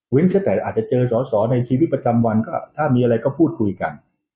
แต่อาจจะเจอสอสอในชีวิตประจำวันก็ถ้ามีอะไรก็พูดคุยกัน